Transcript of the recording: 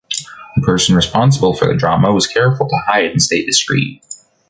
The person responsible for the drama was careful to hide and stay discreet.